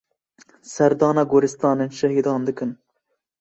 Serdana goristanên şehîdan dikin.